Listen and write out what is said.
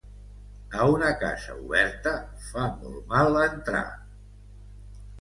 A una casa oberta, fa molt mal entrar.